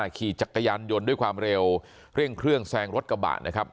ขี่จักรยานยนต์ด้วยความเร็วเร่งเครื่องแซงรถกระบะนะครับ